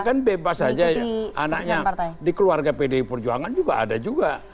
kan bebas saja ya anaknya di keluarga pdi perjuangan juga ada juga